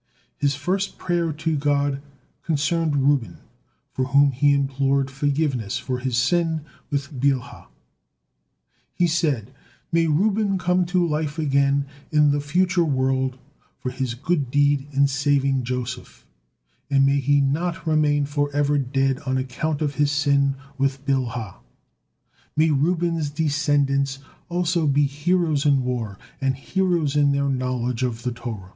His first prayer to God concerned Reuben, for whom he implored forgiveness for his sin with Bilhah. He said: "May Reuben come to life again in the future world for his good deed in saving Joseph, and may he not remain forever dead on account of his sin with Bilhah. May Reuben's descendants also be heroes in war, and heroes in their knowledge of the Torah."